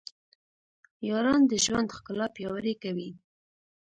یاران د ژوند ښکلا پیاوړې کوي.